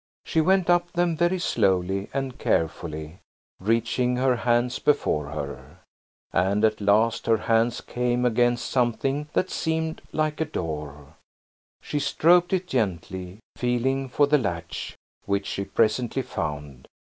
She went up them very slowly and carefully, reaching her hands before her. And at last her hands came against something that seemed like a door. She stroked it gently, feeling for the latch, which she presently found.